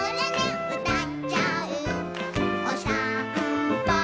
「おさんぽ